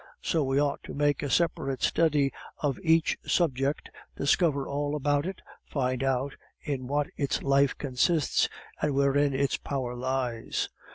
So we ought to make a separate study of each subject, discover all about it, find out in what its life consists, and wherein its power lies.